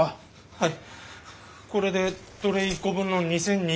はい。